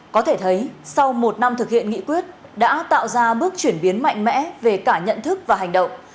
có thể thấy sau một năm thực hiện nghị quyết đã tạo ra bước chuyển biến mạnh mẽ về cả nhận thức và hành động